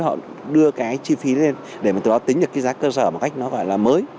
họ đưa cái chi phí lên để mà từ đó tính được cái giá cơ sở một cách nó gọi là mới